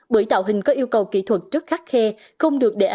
bưởi tạo hình có yêu cầu kỹ thuật rất khắc khe